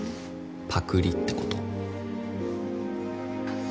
パクリってこと。